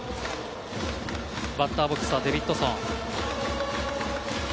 バッターボックスはデビッドソン。